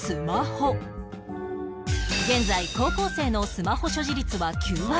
現在高校生のスマホ所持率は９割超え